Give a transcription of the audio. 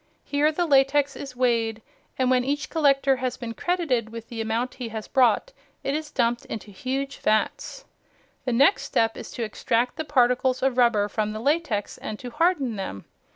Here the latex is weighed, and when each collector has been credited with the amount he has brought, it is dumped into huge vats. The next step is to extract the particles of rubber from the latex and to harden them.